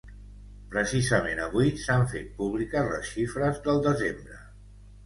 Precisament avui s’han fet públiques les xifres del desembre.